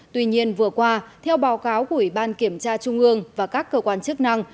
tuy nhiên vừa qua theo báo cáo của ủy ban kiểm tra trung ương và các cơ quan chức năng